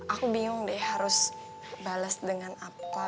aku bingung deh harus bales dengan apa